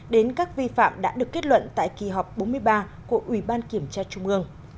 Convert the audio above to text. đến các vi phạm đã được kết luận tại kỳ họp bốn mươi ba của ủy ban kiểm tra trung ương